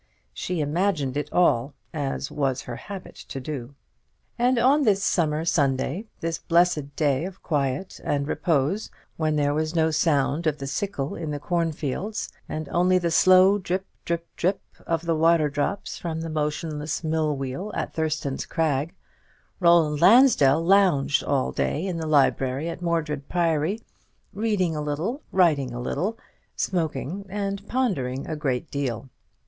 She imagined it all, as was her habit to do. And on this summer Sunday, this blessed day of quiet and repose, when there was no sound of the sickle in the corn fields, and only the slow drip, drip, drip of the waterdrops from the motionless mill wheel at Thurston's Crag, Roland Lansdell lounged all day in the library at Mordred Priory, reading a little, writing a little, smoking and pondering a great deal.